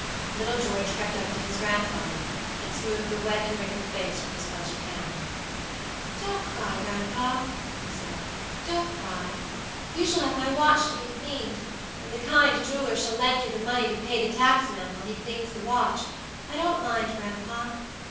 Little George crept up to his grandfather, and smoothed the wet and wrinkled face with his pudgy hand. "Don't cry, gran'pa," he said, "don't cry. You shall have my watch to be cleaned, and the kind jeweler shall lend you the money to pay the taxman while he cleans the watchI don't mind, gran'pa.